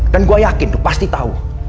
dan gue yakin lo pasti tau